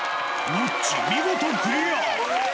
ノッチ、見事クリア。